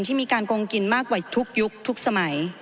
ที่มีการโกงกินมากกว่าทุกยุคทุกสมัย